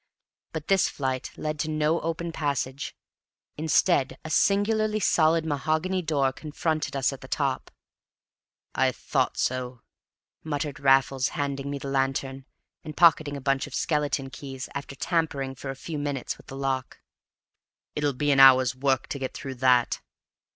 But this flight led to no open passage; instead, a singularly solid mahogany door confronted us at the top. "I thought so," muttered Raffles, handing me the lantern, and pocketing a bunch of skeleton keys, after tampering for a few minutes with the lock. "It'll be an hour's work to get through that!"